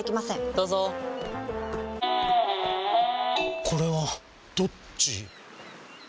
どうぞこれはどっち？